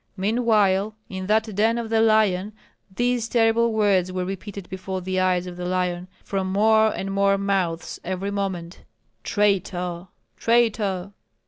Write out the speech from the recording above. Meanwhile in that den of the lion these terrible words were repeated before the eyes of the lion from more and more mouths every moment: "Traitor! traitor!"